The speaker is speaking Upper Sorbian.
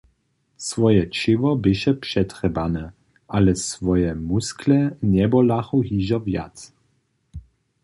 Swoje ćěło běše přetrjebane, ale swoje muskle njebolachu hižo wjac.